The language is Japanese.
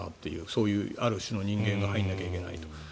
そういうある種の人間が入らなきゃいけないと。